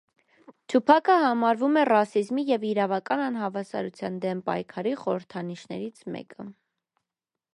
Թուփաքը համարվում է ռասիզմի և իրավական անհավասարության դեմ պայքարի խորհրդանիշներից մեկը։